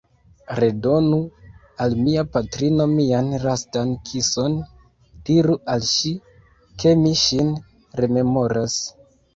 Redonu al mia patrino mian lastan kison, diru al ŝi, ke mi ŝin rememoras!